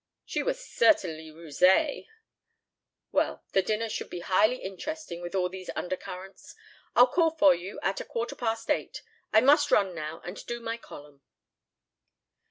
She was certainly rusée." "Well, the dinner should be highly interesting with all these undercurrents. I'll call for you at a quarter past eight. I must run now and do my column."